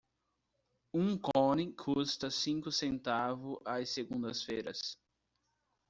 Um cone custa cinco centavos às segundas-feiras.